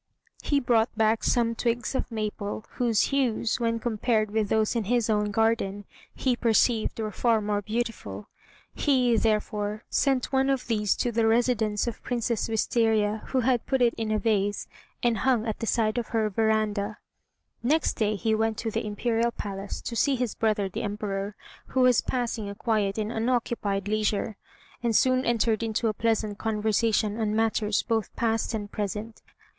He brought back some twigs of maple, whose hues, when compared with those in his own garden, he perceived were far more beautiful. He, therefore, sent one of these to the residence of Princess Wistaria, who had it put in a vase, and hung at the side of her veranda. Next day he went to the Imperial Palace, to see his brother the Emperor, who was passing a quiet and unoccupied leisure, and soon entered into a pleasant conversation on matters both past and present.